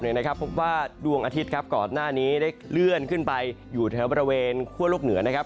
เพราะว่าดวงอาทิตย์ครับก่อนหน้านี้ได้เลื่อนขึ้นไปอยู่แถวบริเวณคั่วโลกเหนือนะครับ